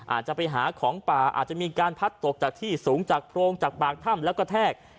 อาจจะไปหาของป่าอาจจะมีการพัดตกจากที่สูงจากโพรงจากปากถ้ำแล้วก็แทก